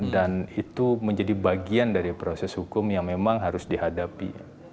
dan itu menjadi bagian dari proses hukum yang memang harus dihadapi